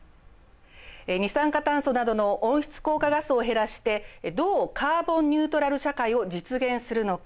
二酸化炭素などの温室効果ガスを減らしてどうカーボンニュートラル社会を実現するのか。